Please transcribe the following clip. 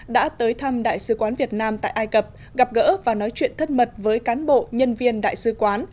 đã tới thăm đại sứ quán việt nam tại ai cập gặp gỡ và nói chuyện thân mật với cán bộ nhân viên đại sứ quán